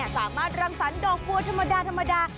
สามารถรังสรรค์ดอกบัวธรรมดา